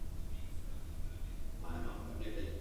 Saského z trůnu.